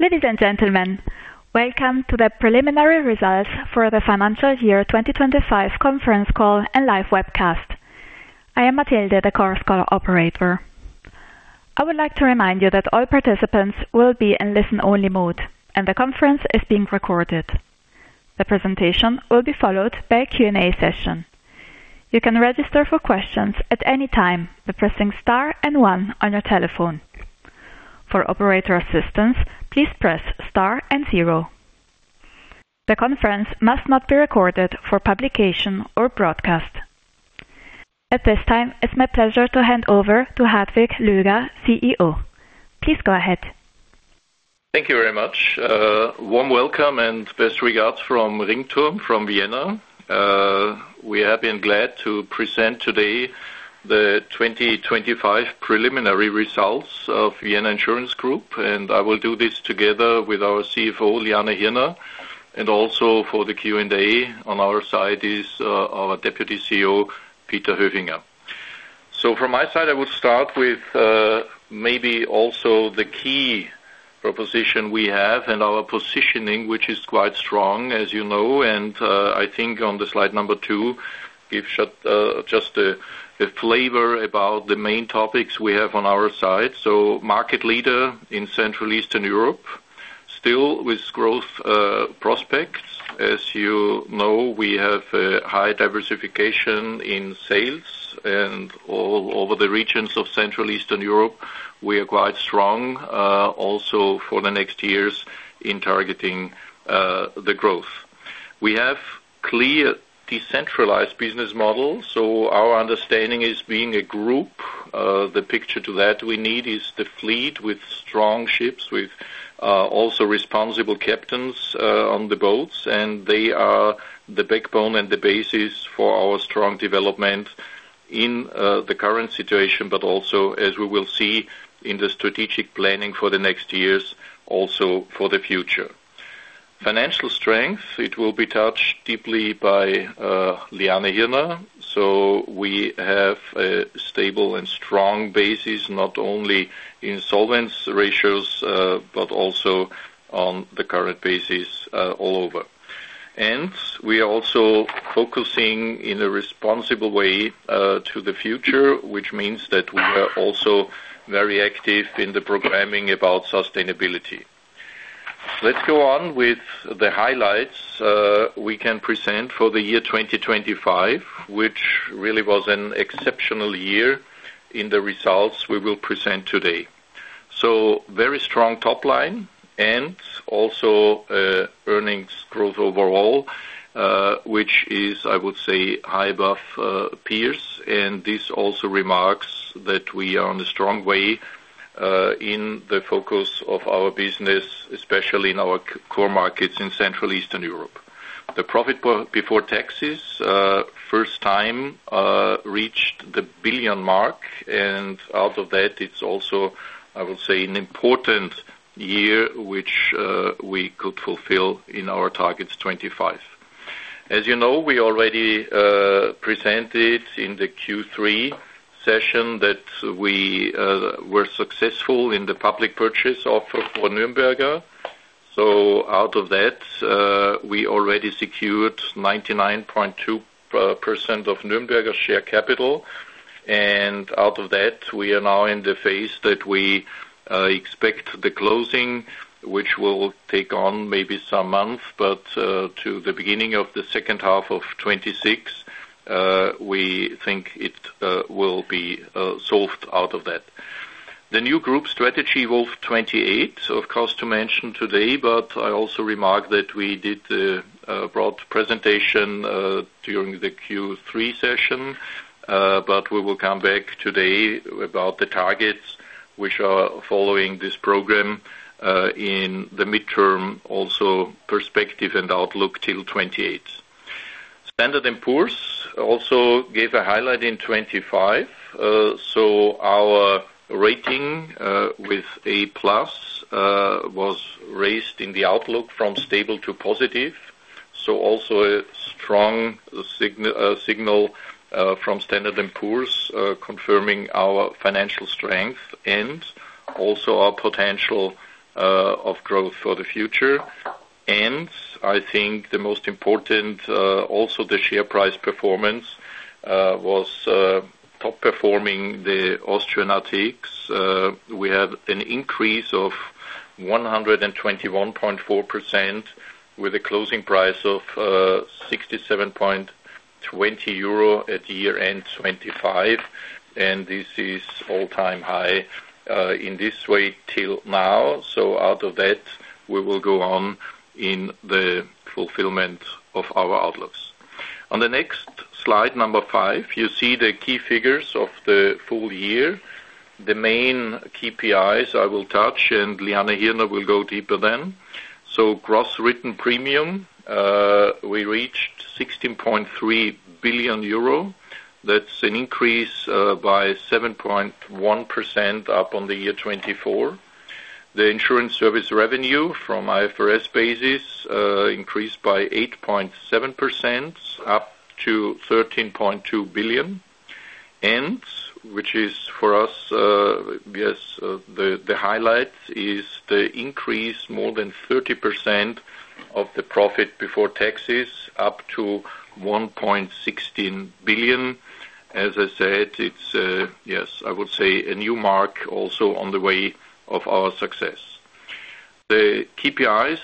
Ladies and gentlemen, welcome to the Preliminary Results for the Financial Year 2025 Conference Call and Live Webcast. I am Matilde, the Chorus Call operator. I would like to remind you that all participants will be in listen-only mode, and the conference is being recorded. The presentation will be followed by a Q&A session. You can register for questions at any time by pressing star and one on your telephone. For operator assistance, please press star and zero. The conference must not be recorded for publication or broadcast. At this time, it's my pleasure to hand over to Hartwig Löger, CEO. Please go ahead. Thank you very much. Warm welcome and best regards from Ringturm from Vienna. We have been glad to present today the 2025 preliminary results of Vienna Insurance Group, and I will do this together with our CFO, Liane Hirner, and also for the Q&A. On our side is our Deputy CEO, Peter Höfinger. From my side, I will start with maybe also the key proposition we have and our positioning, which is quite strong, as you know. I think on the slide number 2 gives just a flavor about the main topics we have on our side. Market leader in Central Eastern Europe, still with growth prospects. As you know, we have high diversification in sales and all over the regions of Central Eastern Europe. We are quite strong also for the next years in targeting the growth. We have clear decentralized business model. Our understanding is being a group. The picture that we need is the fleet with strong ships, with also responsible captains on the boats. They are the backbone and the basis for our strong development in the current situation, but also as we will see in the strategic planning for the next years, also for the future. Financial strength, it will be touched deeply by Liane Hirner. We have a stable and strong basis, not only in solvency ratios, but also on the current basis all over. We are also focusing in a responsible way to the future, which means that we are also very active in promoting sustainability. Let's go on with the highlights we can present for the year 2025, which really was an exceptional year in the results we will present today. Very strong top line and also earnings growth overall, which is, I would say, high above peers. This also remarks that we are on a strong way in the focus of our business, especially in our core markets in Central Eastern Europe. The profit before taxes first time reached the 1 billion mark. Out of that, it's also, I would say, an important year which we could fulfill in our targets 2025. As you know, we already presented in the Q3 session that we were successful in the public purchase offer for Nürnberger. Out of that, we already secured 99.2% of Nürnberger share capital. Out of that, we are now in the phase that we expect the closing, which will take on maybe some month. To the beginning of the second half of 2026, we think it will be solved out of that. The new group strategy, evolve28. Of course, to mention today, but I also remark that we did a broad presentation during the Q3 session. We will come back today about the targets which are following this program in the midterm, also perspective and outlook till 2028. Standard & Poor's also gave a highlight in 2025. Our rating with A+ was raised in the outlook from stable to positive. Also a strong signal from Standard & Poor's confirming our financial strength and also our potential of growth for the future. I think the most important also the share price performance was outperforming the Austrian ATX. We have an increase of 121.4% with a closing price of 67.20 euro at year-end 2025. This is all-time high in this way till now. Out of that, we will go on in the fulfillment of our outlooks. On the next slide, number 5, you see the key figures of the full year. The main KPIs I will touch, and Liane Hirner will go deeper then. Gross written premium we reached 16.3 billion euro. That's an increase by 7.1% up on the year 2024. The insurance service revenue from IFRS basis increased by 8.7% up to 13.2 billion. Which is for us, the highlight is the increase more than 30% of the profit before taxes up to 1.16 billion. As I said, it's I would say a new mark also on the way of our success. The KPIs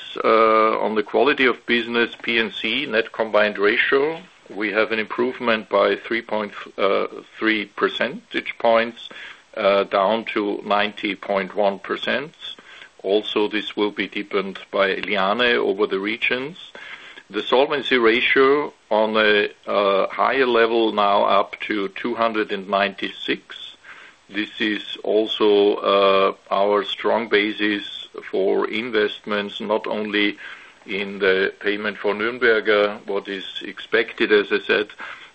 on the quality of business, P&C net combined ratio, we have an improvement by 3 percentage points down to 90.1%. Also, this will be deepened by Liane over the regions. The solvency ratio on a higher level now up to 296%. This is also our strong basis for investments, not only in the payment for Nürnberger, what is expected, as I said,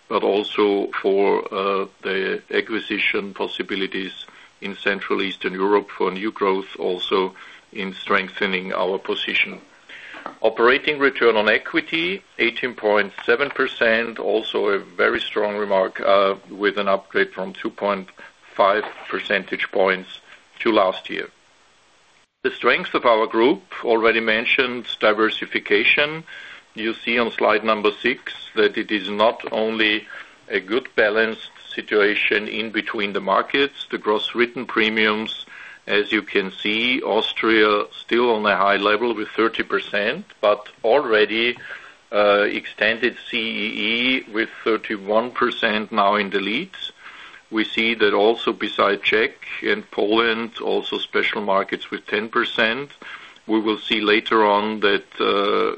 but also for the acquisition possibilities in Central Eastern Europe for new growth, also in strengthening our position. Operating return on equity, 18.7%, also a very strong remark with an upgrade from 2.5 percentage points to last year. The strength of our group already mentioned diversification. You see on slide number 6 that it is not only a good balanced situation in between the markets. The gross written premiums, as you can see, Austria still on a high level with 30%, but already extended CEE with 31% now in the leads. We see that also besides Czech and Poland, also special markets with 10%. We will see later on that,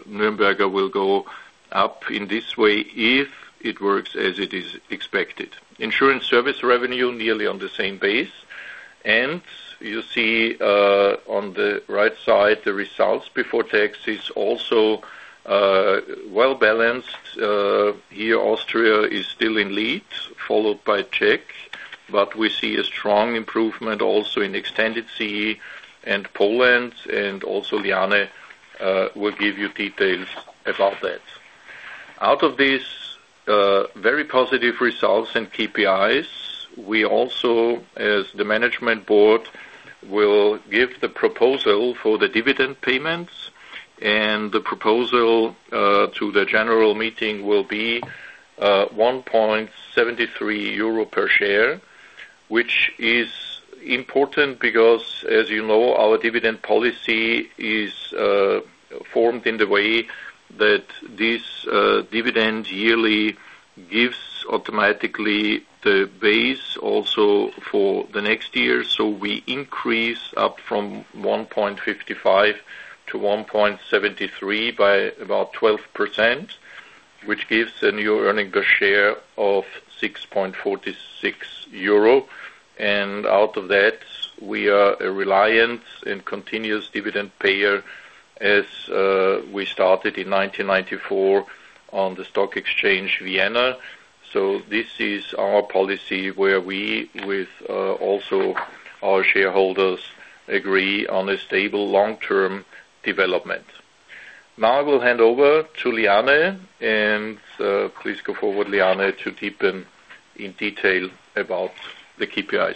Nürnberger will go up in this way if it works as it is expected. Insurance service revenue nearly on the same base. You see, on the right side, the results before tax is also well-balanced. Here Austria is still in leads, followed by Czech, but we see a strong improvement also in extended CEE and Poland and also Liane will give you details about that. Out of these very positive results in KPIs, we also, as the management board, will give the proposal for the dividend payments, and the proposal to the general meeting will be 1.73 euro per share, which is important because, as you know, our dividend policy is formed in the way that this dividend yearly gives automatically the base also for the next year. We increase up from 1.55 to 1.73 by about 12%, which gives a new earnings per share of 6.46 euro. Out of that, we are a reliable and continuous dividend payer as we started in 1994 on the stock exchange, Vienna. This is our policy where we, with also our shareholders, agree on a stable long-term development. Now I will hand over to Liane, and please go forward, Liane, to deepen in detail about the KPIs.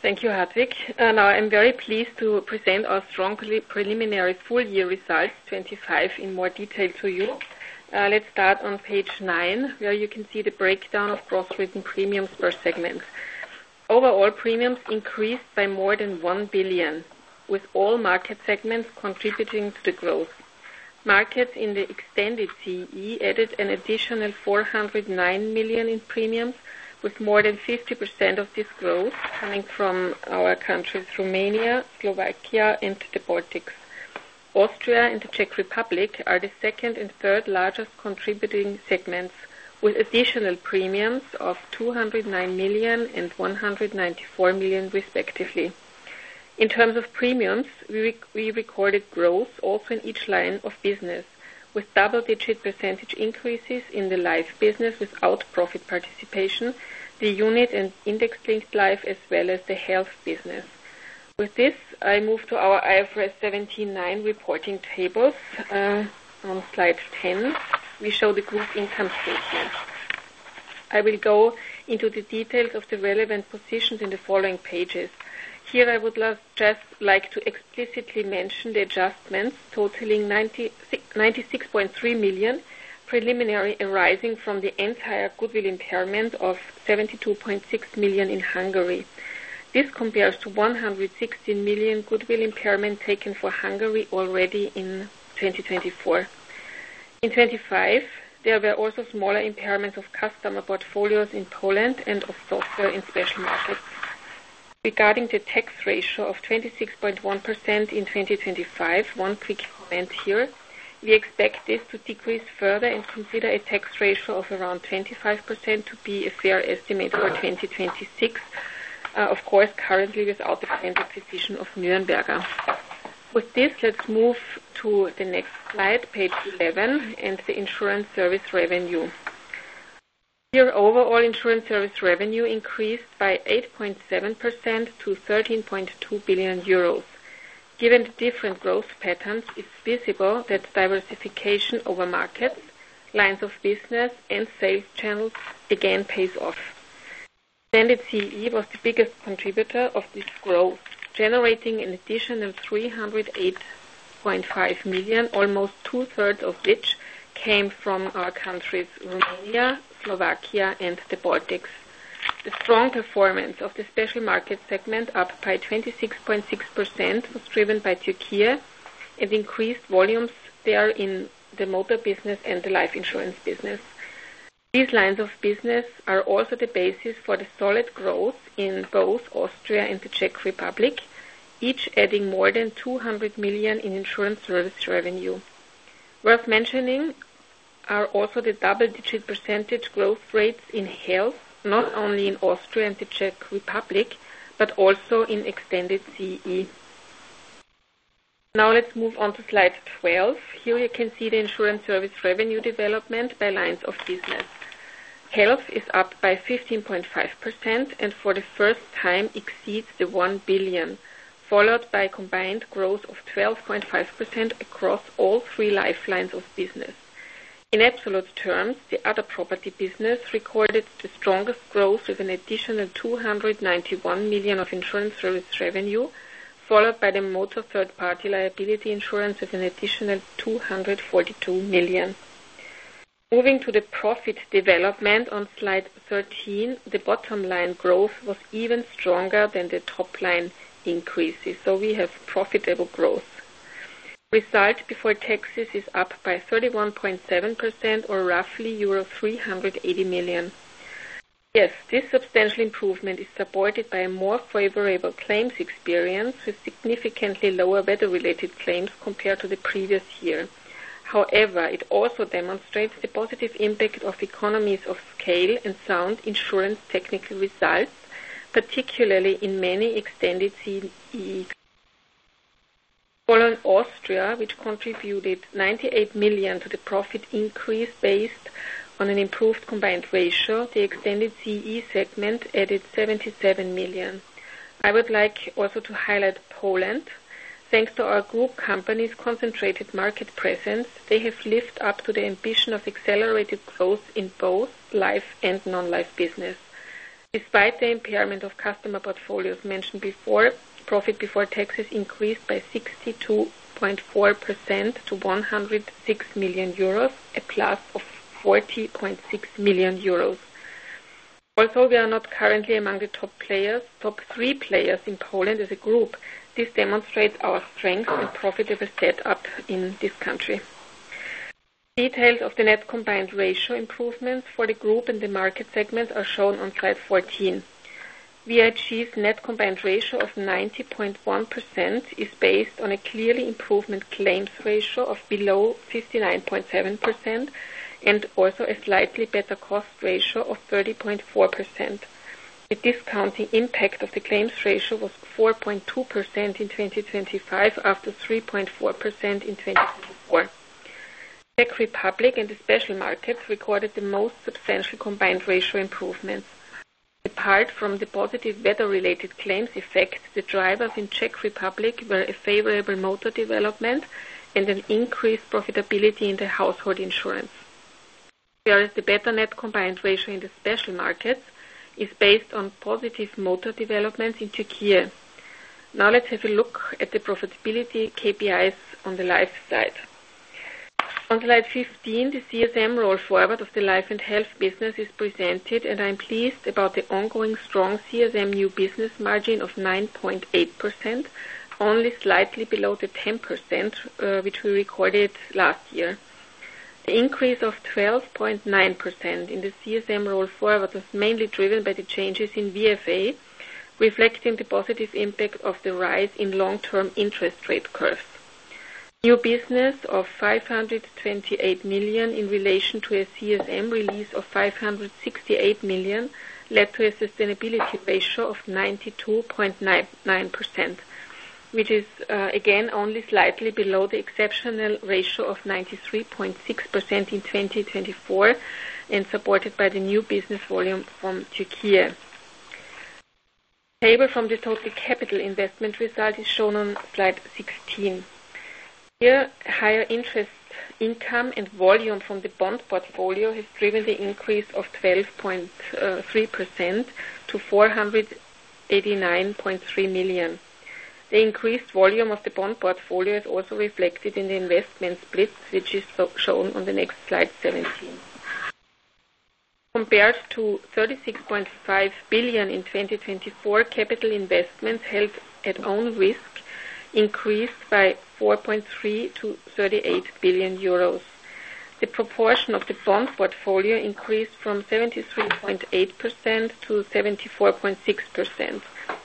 Thank you, Hartwig. Now, I'm very pleased to present our strong preliminary full-year results, 2025, in more detail to you. Let's start on page 9, where you can see the breakdown of gross written premiums per segment. Overall premiums increased by more than 1 billion, with all market segments contributing to the growth. Markets in the extended CEE added an additional 409 million in premiums, with more than 50% of this growth coming from our countries, Romania, Slovakia and the Baltics. Austria and the Czech Republic are the second and third largest contributing segments, with additional premiums of 209 million and 194 million respectively. In terms of premiums, we recorded growth also in each line of business, with double-digit % increases in the life business without profit participation, the unit and index-linked life, as well as the health business. With this, I move to our IFRS 17 line reporting tables. On slide 10, we show the group income statement. I will go into the details of the relevant positions in the following pages. Here I would just like to explicitly mention the adjustments totaling 96.3 million, preliminary arising from the entire goodwill impairment of 72.6 million in Hungary. This compares to 116 million goodwill impairment taken for Hungary already in 2024. In 2025, there were also smaller impairments of customer portfolios in Poland and of software in several markets. Regarding the tax ratio of 26.1% in 2025, one quick comment here. We expect this to decrease further and consider a tax ratio of around 25% to be a fair estimate for 2026. Of course, currently without the planned acquisition of Nürnberger. With this, let's move to the next slide, page 11, and the insurance service revenue. Here, overall insurance service revenue increased by 8.7% to 13.2 billion euros. Given the different growth patterns, it's visible that diversification over markets, lines of business and sales channels again pays off. Extended CEE was the biggest contributor of this growth, generating an additional 308.5 million, almost 2/3 of which came from our countries, Romania, Slovakia and the Baltics. The strong performance of the special market segment, up by 26.6%, was driven by Turkey and increased volumes there in the motor business and the life insurance business. These lines of business are also the basis for the solid growth in both Austria and the Czech Republic, each adding more than 200 million in insurance service revenue. Worth mentioning are also the double-digit percentage growth rates in health, not only in Austria and the Czech Republic, but also in extended CEE. Now let's move on to slide 12. Here you can see the insurance service revenue development by lines of business. Health is up by 15.5% and for the first time exceeds 1 billion, followed by a combined growth of 12.5% across all three life lines of business. In absolute terms, the other property business recorded the strongest growth with an additional 291 million of insurance service revenue, followed by the motor third-party liability insurance with an additional 242 million. Moving to the profit development on slide 13, the bottom line growth was even stronger than the top line increases. We have profitable growth. Result before taxes is up by 31.7% or roughly euro 380 million. Yes, this substantial improvement is supported by a more favorable claims experience with significantly lower weather-related claims compared to the previous year. However, it also demonstrates the positive impact of economies of scale and sound insurance technical results, particularly in many extended CEE. Following Austria, which contributed 98 million to the profit increase based on an improved combined ratio, the extended CEE segment added 77 million. I would like also to highlight Poland. Thanks to our group company's concentrated market presence, they have lived up to the ambition of accelerated growth in both life and non-life business. Despite the impairment of customer portfolios mentioned before, profit before taxes increased by 62.4% to 106 million euros, a plus of 40.6 million euros. Also, we are not currently among the top players, top three players in Poland as a group. This demonstrates our strength and profitable set up in this country. Details of the net combined ratio improvements for the group and the market segments are shown on slide 14. VIG's net combined ratio of 90.1% is based on a clear improvement claims ratio of below 59.7% and also a slightly better cost ratio of 30.4%. The discounting impact of the claims ratio was 4.2% in 2025 after 3.4% in 2024. Czech Republic and the special markets recorded the most substantial combined ratio improvements. Apart from the positive weather-related claims effect, the drivers in Czech Republic were a favorable motor development and an increased profitability in the household insurance. Whereas the better net combined ratio in the special markets is based on positive motor developments in Turkey. Now let's have a look at the profitability KPIs on the life side. On slide 15, the CSM roll forward of the life and health business is presented, and I'm pleased about the ongoing strong CSM new business margin of 9.8%, only slightly below the 10%, which we recorded last year. The increase of 12.9% in the CSM roll forward was mainly driven by the changes in VFA, reflecting the positive impact of the rise in long-term interest rate curves. New business of 528 million in relation to a CSM release of 568 million led to a sustainability ratio of 92.99%, which is again only slightly below the exceptional ratio of 93.6% in 2024 and supported by the new business volume from Turkey. Table from the total capital investment result is shown on slide 16. Here, higher interest income and volume from the bond portfolio has driven the increase of 12.3% to 489.3 million. The increased volume of the bond portfolio is also reflected in the investment splits, which is shown on the next slide 17. Compared to 36.5 billion in 2024, capital investments held at own risk increased by 4.3% to 38 billion euros. The proportion of the bond portfolio increased from 73.8% to 74.6%,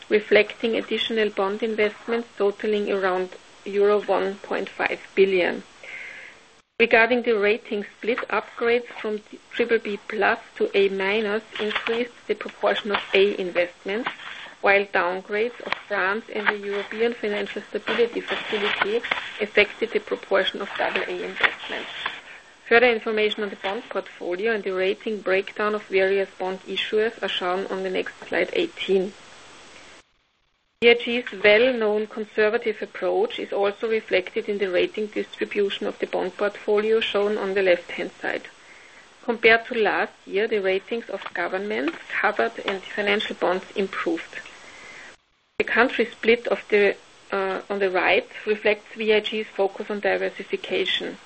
reflecting additional bond investments totaling around euro 1.5 billion. Regarding the rating split, upgrades from BBB+ to A- increased the proportion of A investments, while downgrades of France and the European Financial Stability Facility affected the proportion of AA investments. Further information on the bond portfolio and the rating breakdown of various bond issuers are shown on the next slide 18. VIG's well-known conservative approach is also reflected in the rating distribution of the bond portfolio shown on the left-hand side. Compared to last year, the ratings of governments covered and financial bonds improved. The country split of the on the right reflects VIG's focus on diversification.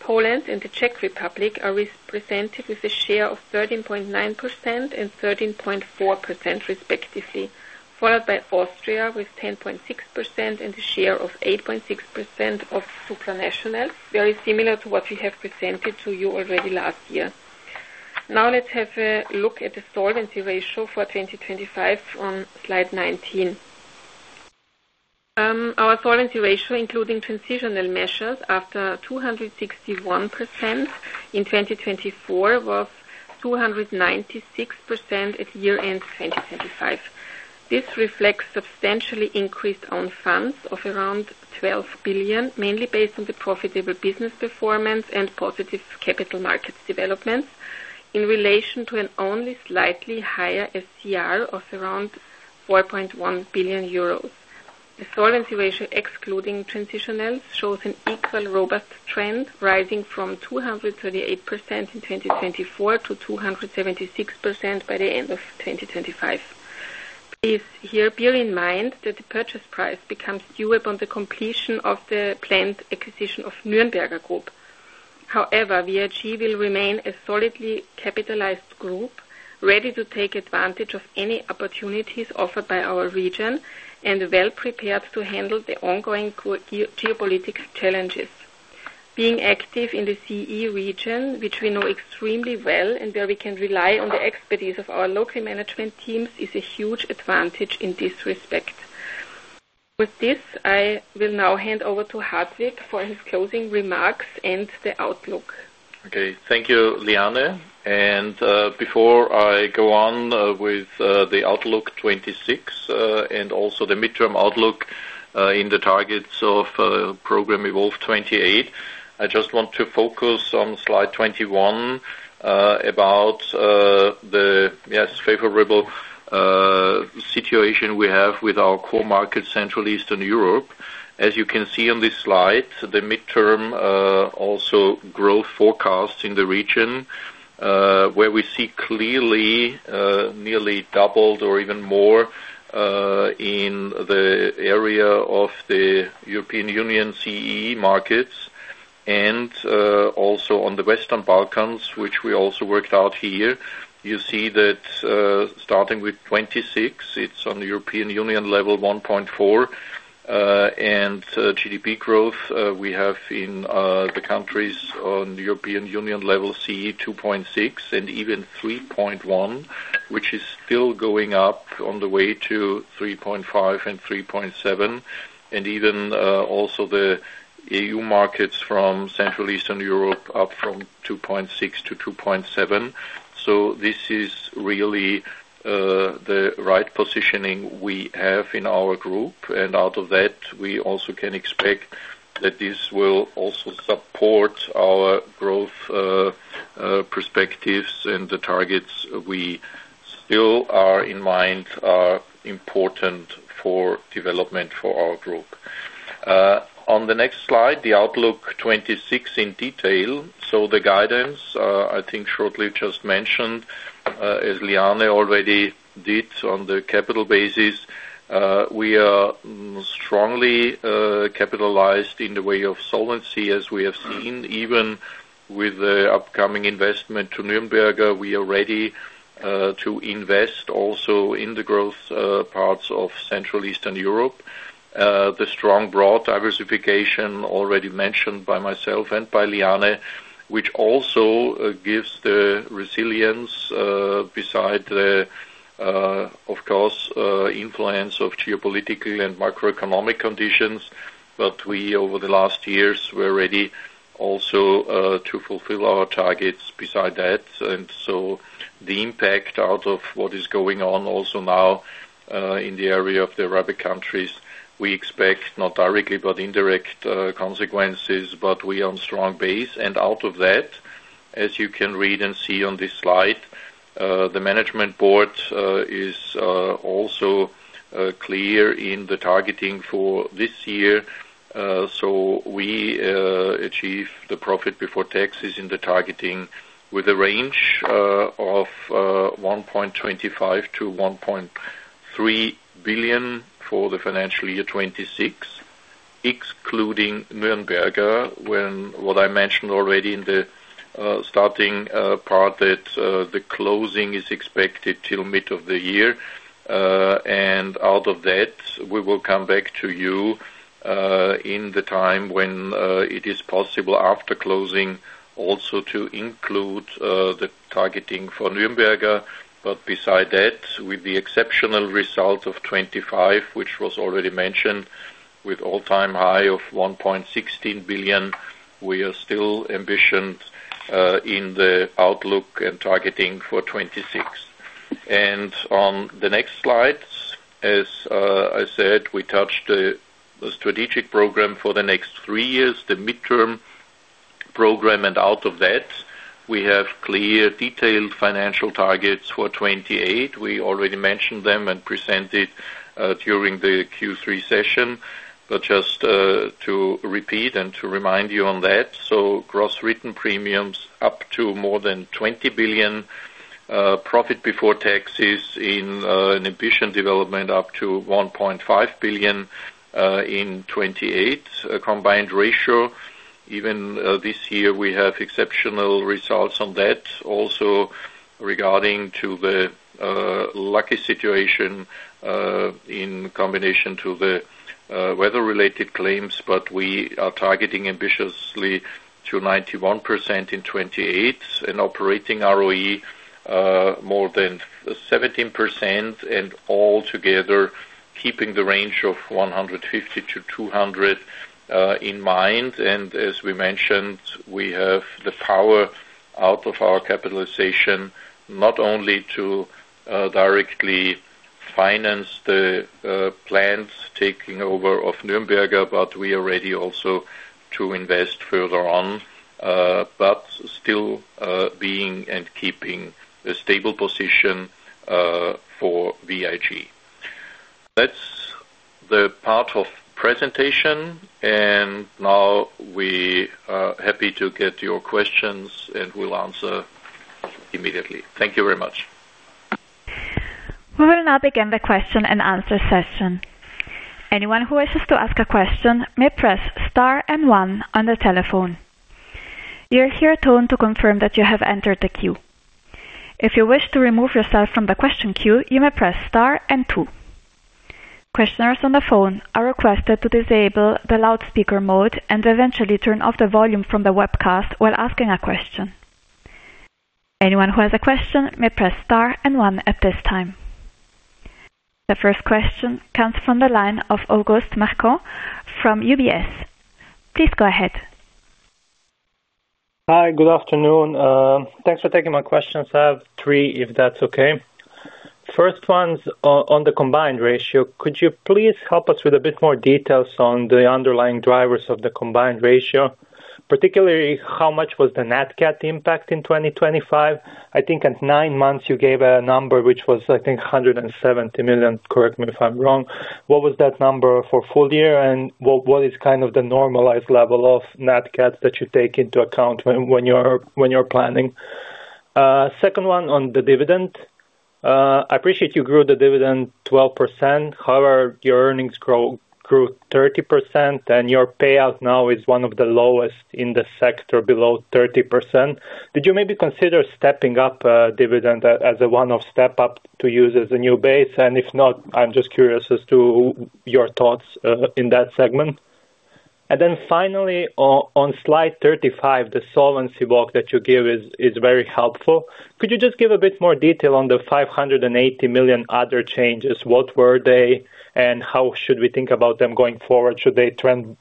Poland and the Czech Republic are represented with a share of 13.9% and 13.4% respectively, followed by Austria with 10.6% and a share of 8.6% of supranationals, very similar to what we have presented to you already last year. Now let's have a look at the solvency ratio for 2025 on slide 19. Our solvency ratio, including transitional measures after 261% in 2024, was 296% at year-end 2025. This reflects substantially increased own funds of around 12 billion, mainly based on the profitable business performance and positive capital markets developments in relation to an only slightly higher SCR of around 4.1 billion euros. The solvency ratio, excluding transitionals, shows an equally robust trend, rising from 238% in 2024 to 276% by the end of 2025. Please, here, bear in mind that the purchase price becomes due upon the completion of the planned acquisition of Nürnberger Group. However, VIG will remain a solidly capitalized group, ready to take advantage of any opportunities offered by our region and well-prepared to handle the ongoing geopolitical challenges. Being active in the CE region, which we know extremely well and where we can rely on the expertise of our local management teams, is a huge advantage in this respect. With this, I will now hand over to Hartwig for his closing remarks and the outlook. Okay. Thank you, Liane. Before I go on with the outlook 2026 and also the midterm outlook in the targets of program evolve28, I just want to focus on slide 21 about the favorable situation we have with our core market, Central and Eastern Europe. As you can see on this slide, the midterm also growth forecast in the region where we see clearly nearly doubled or even more in the area of the European Union CEE markets and also on the Western Balkans, which we also worked out here. You see that starting with 2026, it's on the European Union level 1.4%. GDP growth we have in the countries on European Union level, CEE 2.6% and even 3.1%, which is still going up on the way to 3.5% and 3.7%. Even also the EU markets from Central Eastern Europe up from 2.6% to 2.7%. This is really the right positioning we have in our group. Out of that, we also can expect that this will also support our growth perspectives and the targets we still have in mind are important for development for our group. On the next slide, the outlook 2026 in detail. The guidance, I think shortly just mentioned, as Liane already did on the capital basis, we are strongly capitalized in the way of solvency, as we have seen. Even with the upcoming investment to Nürnberger, we are ready to invest also in the growth parts of Central Eastern Europe. The strong broad diversification already mentioned by myself and by Liane, which also gives the resilience beside the, of course, influence of geopolitical and macroeconomic conditions. We, over the last years, we're ready also to fulfill our targets beside that. The impact out of what is going on also now in the area of the Arab countries, we expect not directly, but indirect consequences. We are on strong base. Out of that, as you can read and see on this slide, the management board is also clear in the targeting for this year. We achieve the profit before taxes in the targeting with a range of 1.25 billion-1.3 billion for the financial year 2026, excluding Nürnberger, as what I mentioned already in the starting part that the closing is expected till mid of the year. Out of that, we will come back to you in the time when it is possible after closing also to include the targeting for Nürnberger. Besides that, with the exceptional result of 2025, which was already mentioned, with all-time high of 1.16 billion, we are still ambitious in the outlook and targeting for 2026. On the next slides, as I said, we touched the strategic program for the next three years, the midterm program. Out of that, we have clear detailed financial targets for 2028. We already mentioned them and presented during the Q3 session. Just to repeat and to remind you on that, so gross written premiums up to more than 20 billion, profit before taxes in an efficient development up to 1.5 billion in 2028. A combined ratio, even this year, we have exceptional results on that. Also regarding to the lucky situation in combination to the weather-related claims. We are targeting ambitiously to 91% in 2028. An operating ROE more than 17% and all together keeping the range of 150%-200% in mind. As we mentioned, we have the power of our capitalization, not only to directly finance the planned takeover of Nürnberger, but we are ready also to invest further in but still being and keeping a stable position for VIG. That's the end of the presentation. Now we are happy to get your questions, and we'll answer immediately. Thank you very much. We will now begin the question-and-answer session. Anyone who wishes to ask a question may press star and one on the telephone. You will hear a tone to confirm that you have entered the queue. If you wish to remove yourself from the question queue, you may press star and two. Questioners on the phone are requested to disable the loudspeaker mode and eventually turn off the volume from the webcast while asking a question. Anyone who has a question may press star and one at this time. The first question comes from the line of August Marčan from UBS. Please go ahead. Hi, good afternoon. Thanks for taking my questions. I have three, if that's okay. First one's on the combined ratio. Could you please help us with a bit more details on the underlying drivers of the combined ratio, particularly how much was the NatCat impact in 2025? I think at nine months, you gave a number which was, I think, 170 million. Correct me if I'm wrong. What was that number for full year? And what is kind of the normalized level of NatCat that you take into account when you're planning? Second one on the dividend. I appreciate you grew the dividend 12%. However, your earnings grew 30%, and your payout now is one of the lowest in the sector, below 30%. Did you maybe consider stepping up dividend as a one-off step-up to use as a new base? If not, I'm just curious as to your thoughts in that segment. Finally, on slide 35, the solvency walk that you give is very helpful. Could you just give a bit more detail on the 580 million other changes? What were they, and how should we think about them going forward? Should they trend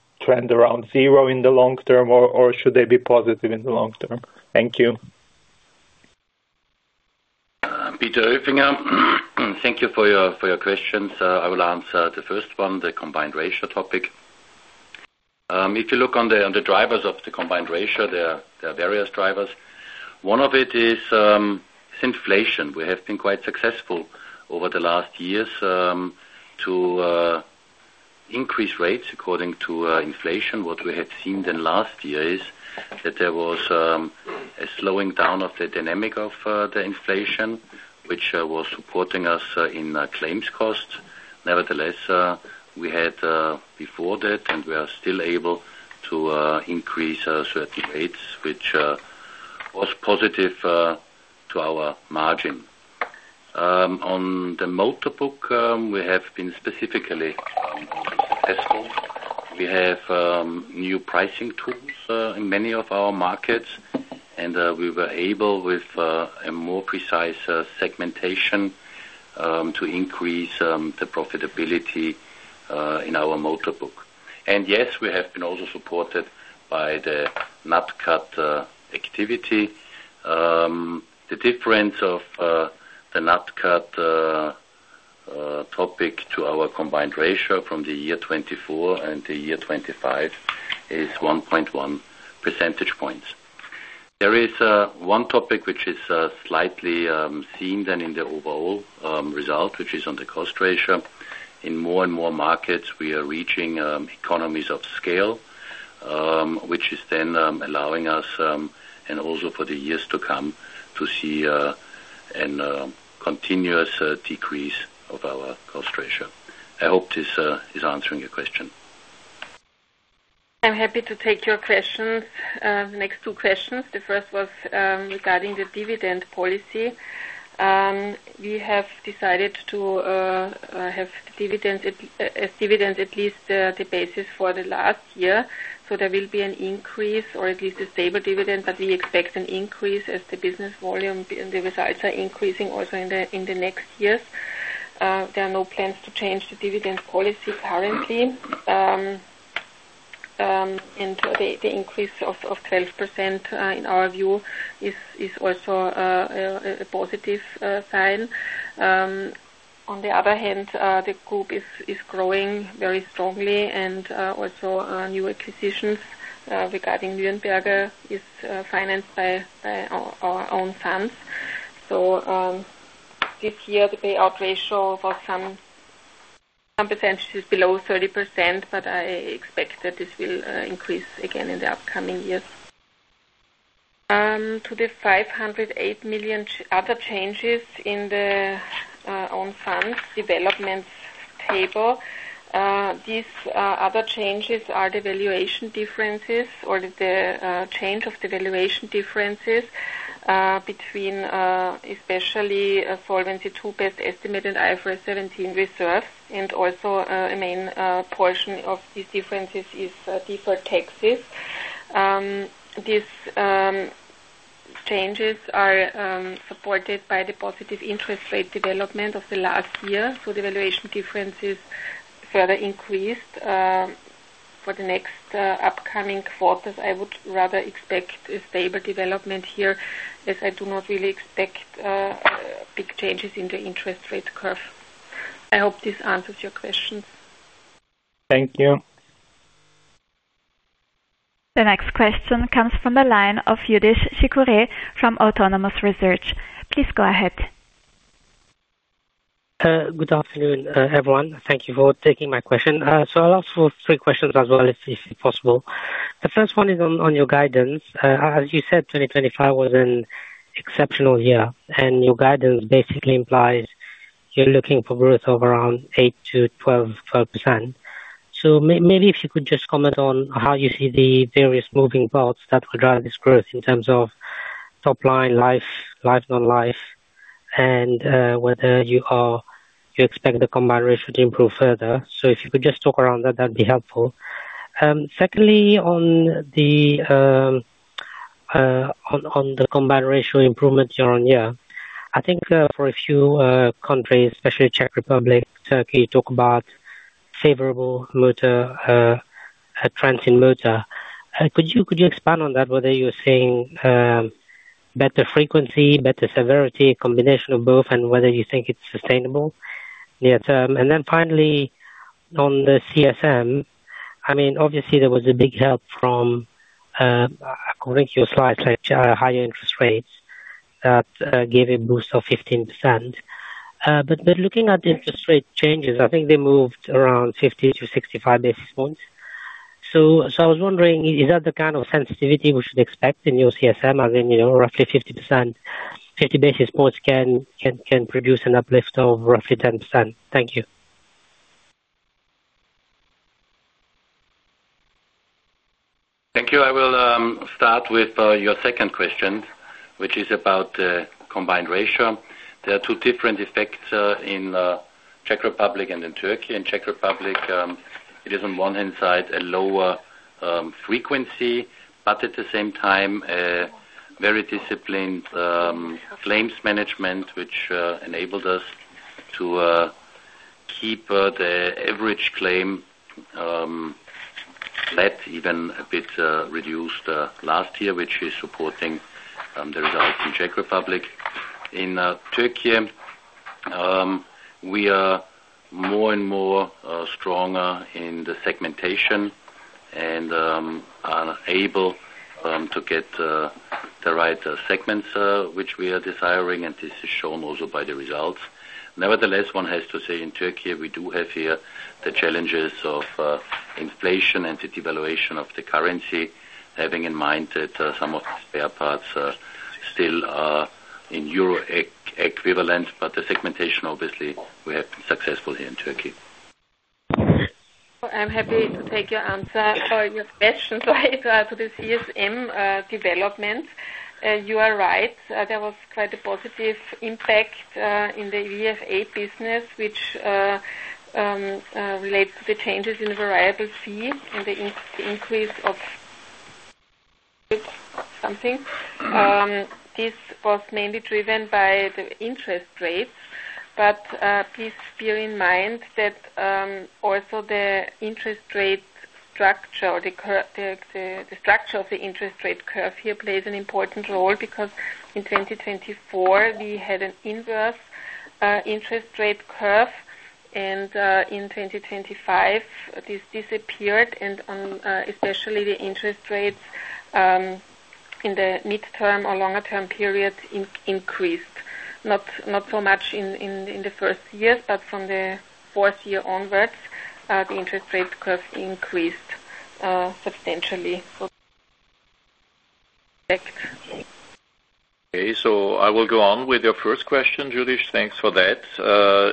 around zero in the long term, or should they be positive in the long term? Thank you. Peter Höfinger. Thank you for your questions. I will answer the first one, the combined ratio topic. If you look on the drivers of the combined ratio, there are various drivers. One of it is inflation. We have been quite successful over the last years to increase rates according to inflation. What we had seen in last year is that there was a slowing down of the dynamic of the inflation, which was supporting us in claims costs. Nevertheless, we had before that, and we are still able to increase certain rates, which was positive to our margin. On the motor book, we have been specifically successful. We have new pricing tools in many of our markets, and we were able with a more precise segmentation to increase the profitability in our motor book. Yes, we have been also supported by the NatCat activity. The difference of the NatCat topic to our combined ratio from the year 2024 and the year 2025 is 1.1 percentage points. There is one topic which is slightly seen then in the overall result, which is on the cost ratio. In more and more markets, we are reaching economies of scale, which is then allowing us and also for the years to come to see a continuous decrease of our cost ratio. I hope this is answering your question. I'm happy to take your questions. The next two questions. The first was regarding the dividend policy. We have decided to have dividend at least the basis for the last year. There will be an increase or at least a stable dividend, but we expect an increase as the business volume and the results are increasing also in the next years. There are no plans to change the dividend policy currently. The increase of 12%, in our view, is also a positive sign. On the other hand, the group is growing very strongly and also new acquisitions regarding Nürnberger is financed by our own funds. This year, the payout ratio for some percentages below 30%, but I expect that this will increase again in the upcoming years. To the 508 million other changes in the own funds developments table. These other changes are the valuation differences or the change of the valuation differences between especially Solvency II best estimate IFRS 17 reserve. Also, a main portion of these differences is deferred taxes. These changes are supported by the positive interest rate development of the last year. The valuation differences further increased for the next upcoming quarters. I would rather expect a stable development here, as I do not really expect big changes in the interest rate curve. I hope this answers your questions. Thank you. The next question comes from the line of Youdish Chicooree from Autonomous Research. Please go ahead. Good afternoon, everyone. Thank you for taking my question. I'll ask for three questions as well, if possible. The first one is on your guidance. As you said, 2025 was an exceptional year, and your guidance basically implies you're looking for growth of around 8%-12%. Maybe if you could just comment on how you see the various moving parts that will drive this growth in terms of top line life, non-life, and whether you expect the combined ratio to improve further. If you could just talk around that'd be helpful. Secondly, on the combined ratio improvement year-over-year. I think, for a few countries, especially Czech Republic, Turkey, you talk about favorable motor trends in motor. Could you expand on that, whether you're seeing better frequency, better severity, a combination of both, and whether you think it's sustainable near term? Finally, on the CSM, I mean, obviously there was a big help from, according to your slides, like higher interest rates that gave a boost of 15%. Looking at interest rate changes, I think they moved around 50-65 basis points. I was wondering, is that the kind of sensitivity we should expect in your CSM? As in, you know, roughly 50%, 50 basis points can produce an uplift of roughly 10%. Thank you. Thank you. I will start with your second question, which is about combined ratio. There are two different effects in Czech Republic and in Turkey. In Czech Republic, it is on one hand side a lower frequency, but at the same time, very disciplined claims management, which enabled us to keep the average claim flat, even a bit reduced last year, which is supporting the results in Czech Republic. In Turkey, we are more and more stronger in the segmentation and are able to get the right segments which we are desiring, and this is shown also by the results. Nevertheless, one has to say in Turkey, we do have here the challenges of inflation and the devaluation of the currency, having in mind that some of the spare parts are still in euro equivalent, but the segmentation, obviously we have been successful here in Turkey. I'm happy to take your answer or your question. To the CSM development, you are right. There was quite a positive impact in the VFA business, which led to the changes in the variable fee and the increase of something. This was mainly driven by the interest rates. Please bear in mind that also the interest rate structure, the structure of the interest rate curve here plays an important role because in 2024 we had an inverse interest rate curve. In 2025, this disappeared. Especially the interest rates in the midterm or longer term periods increased. Not so much in the first years, but from the fourth year onwards, the interest rate curve increased substantially. Okay. I will go on with your first question, Youdish. Thanks for that.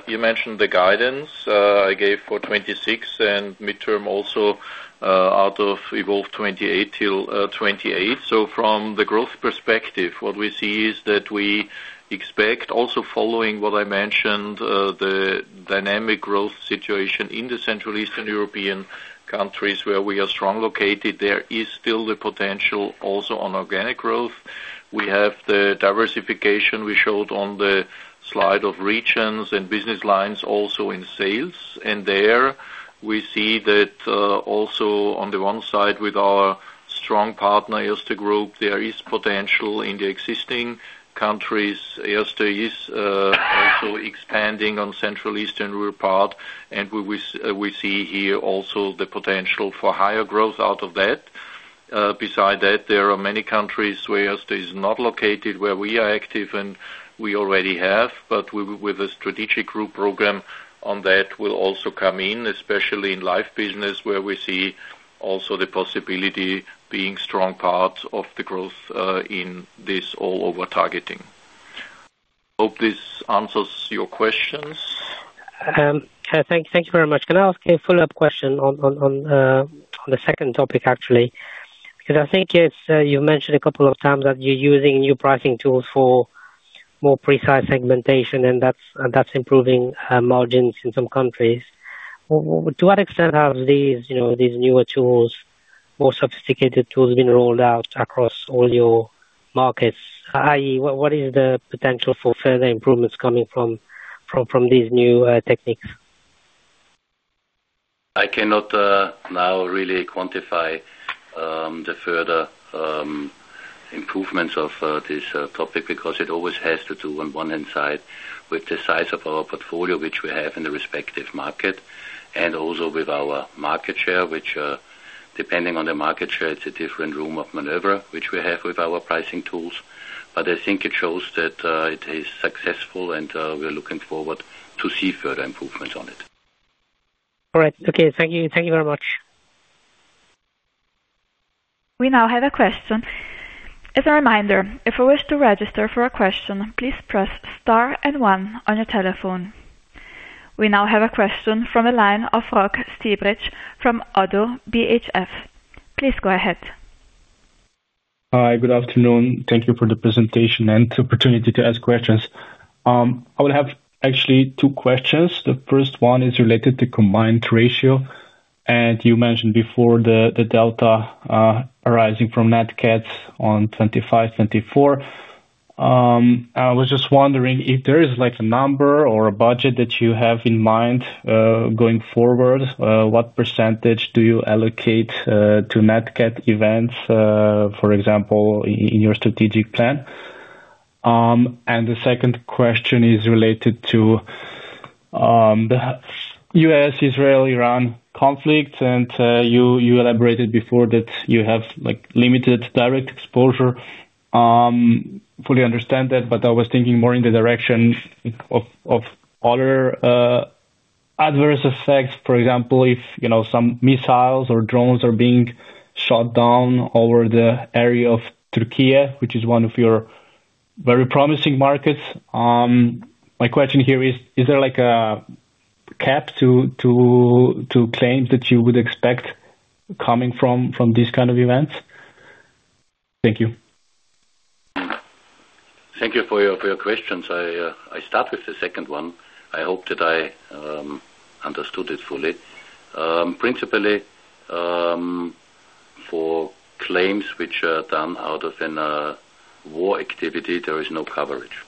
You mentioned the guidance I gave for 2026 and midterm also, out of evolve28 till 2028. From the growth perspective, what we see is that we expect also following what I mentioned, the dynamic growth situation in the Central Eastern European countries where we are strongly located. There is still the potential also on organic growth. We have the diversification we showed on the slide of regions and business lines also in sales. There we see that, also on the one side with our strong partner, Erste Group, there is potential in the existing countries. Erste is also expanding on Central Eastern European part. We see here also the potential for higher growth out of that. Besides that, there are many countries where Erste is not located, where we are active and we already have. With a strategic group program on that will also come in, especially in life business, where we see also the possibility being strong parts of the growth, in this all over targeting. Hope this answers your questions. Thank you very much. Can I ask a follow-up question on the second topic, actually? Because I think it's you mentioned a couple of times that you're using new pricing tools for more precise segmentation, and that's improving margins in some countries. To what extent are these, you know, these newer tools, more sophisticated tools being rolled out across all your markets? What is the potential for further improvements coming from these new techniques? I cannot now really quantify the further improvements of this topic because it always has to do on one hand side with the size of our portfolio, which we have in the respective market. Also with our market share, which, depending on the market share, it's a different room of maneuver, which we have with our pricing tools. I think it shows that it is successful and we are looking forward to see further improvements on it. All right. Okay. Thank you. Thank you very much. We now have a question. As a reminder, if you wish to register for a question, please press star and one on your telephone. We now have a question from the line of Rok Stibrič from ODDO BHF. Please go ahead. Hi. Good afternoon. Thank you for the presentation and the opportunity to ask questions. I would have actually two questions. The first one is related to combined ratio. You mentioned before the delta arising from NatCats on 2025, 2024. I was just wondering if there is, like, a number or a budget that you have in mind going forward. What percentage do you allocate to NatCat events, for example, in your strategic plan? The second question is related to the U.S., Israel, Iran conflict. You elaborated before that you have, like, limited direct exposure. Fully understand that, but I was thinking more in the direction of other adverse effects. For example, if, you know, some missiles or drones are being shot down over the area of Türkiye, which is one of your very promising markets. My question here is there, like, a cap to claims that you would expect coming from these kind of events? Thank you. Thank you for your questions. I start with the second one. I hope that I understood it fully. Principally, for claims which are done out of a war activity, there is no coverage.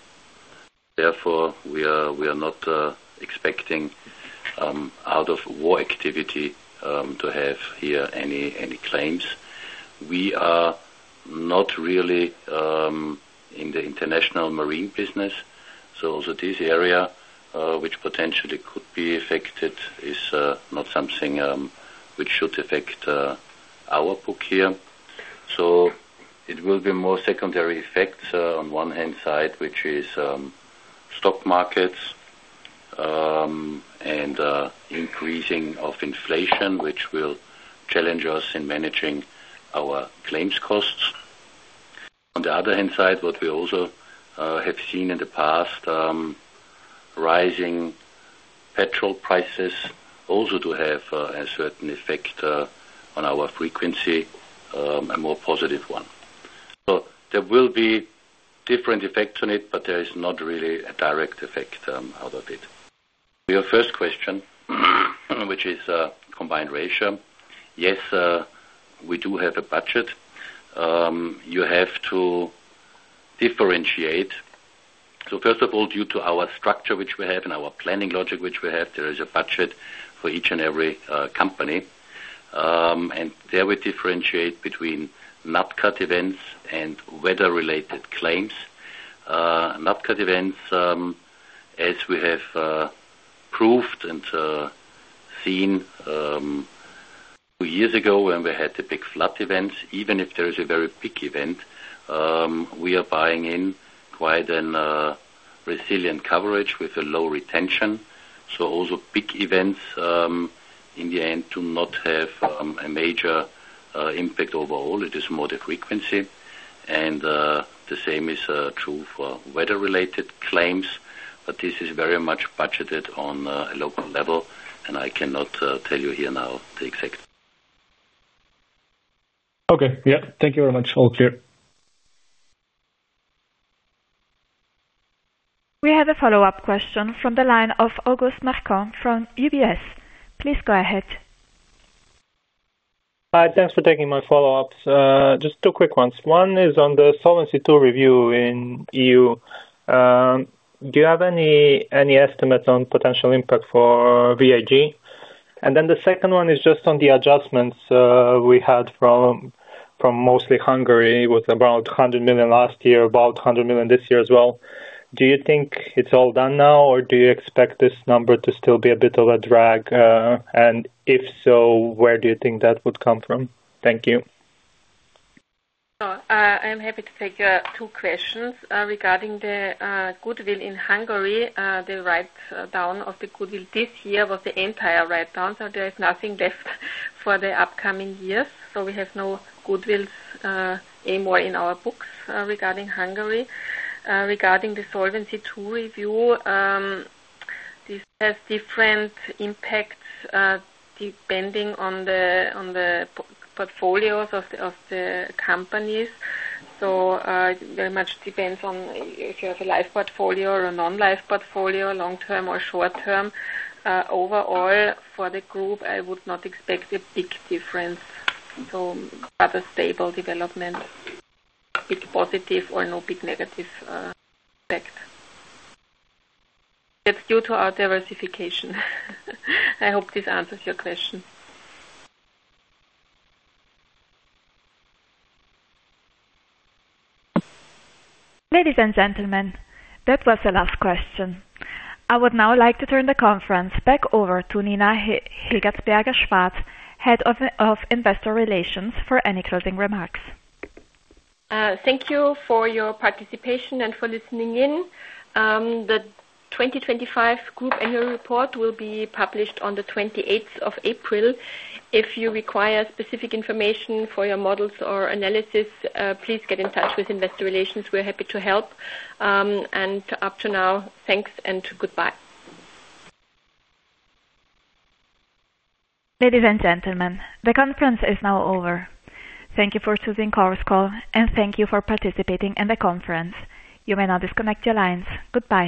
Therefore, we are not expecting out of war activity to have here any claims. We are not really in the international marine business. This area which potentially could be affected is not something which should affect our book here. It will be more secondary effects on one hand side, which is stock markets and increasing of inflation, which will challenge us in managing our claims costs. On the other hand side, what we also have seen in the past, rising petrol prices also do have a certain effect on our frequency, a more positive one. There will be different effects on it, but there is not really a direct effect out of it. To your first question which is combined ratio. Yes, we do have a budget. You have to differentiate. First of all, due to our structure which we have and our planning logic which we have, there is a budget for each and every company. And there we differentiate between NatCat events and weather-related claims. NatCat events, as we have proved and seen two years ago when we had the big flood events. Even if there is a very big event, we are buying in quite a resilient coverage with a low retention. Also big events, in the end do not have a major impact overall. It is more the frequency. The same is true for weather-related claims. This is very much budgeted on a local level, and I cannot tell you here now the exact. Okay. Yeah. Thank you very much. All clear. We have a follow-up question from the line of August Marčan from UBS. Please go ahead. Hi, thanks for taking my follow-ups. Just two quick ones. One is on the Solvency II review in E.U. Do you have any estimates on potential impact for VIG? The second one is just on the adjustments we had from mostly Hungary with about 100 million last year, about 100 million this year as well. Do you think it's all done now, or do you expect this number to still be a bit of a drag? And if so, where do you think that would come from? Thank you. I'm happy to take two questions regarding the goodwill in Hungary. The write-down of the goodwill this year was the entire write-down, so there is nothing left for the upcoming years. We have no goodwills anymore in our books regarding Hungary. Regarding the Solvency II review, this has different impacts depending on the portfolios of the companies. It very much depends on if you have a life portfolio or a non-life portfolio, long-term or short-term. Overall, for the group, I would not expect a big difference. Rather stable development, big positive or no big negative effects. That's due to our diversification. I hope this answers your question. Ladies and gentlemen, that was the last question. I would now like to turn the conference back over to Nina Higatzberger-Schwarz, Head of Investor Relations, for any closing remarks. Thank you for your participation and for listening in. The 2025 group annual report will be published on the 28th of April. If you require specific information for your models or analysis, please get in touch with investor relations. We're happy to help. Up to now, thanks and goodbye. Ladies and gentlemen, the conference is now over. Thank you for attending the conference call, and thank you for participating in the conference. You may now disconnect your lines. Goodbye.